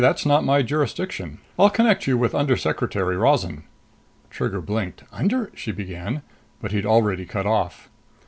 That's not my jurisdiction. I'll connect you with Undersecretary Rozan." Trigger blinked. "Under " she began. But he'd already cut off.